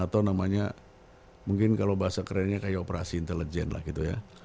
atau namanya mungkin kalau bahasa kerennya kayak operasi intelijen lah gitu ya